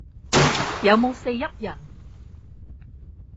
有冇四邑人